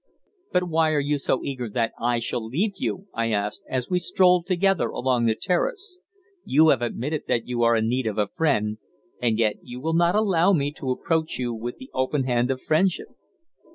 "But why are you so eager that I shall leave you?" I asked, as we strolled together along the terrace. "You have admitted that you are in need of a friend, and yet you will not allow me to approach you with the open hand of friendship."